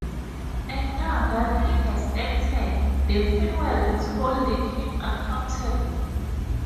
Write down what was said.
And now that he has acted the free world is holding him accountable.